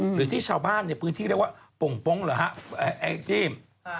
หรือที่ชาวบ้านในพื้นที่เรียกว่าโป่งปงเหรอฮะแองจี้